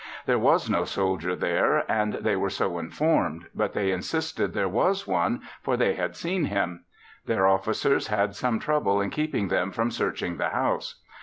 There was no soldier there and they were so informed, but they insisted there was one for they had seen him. Their officers had some trouble in keeping them from searching the house.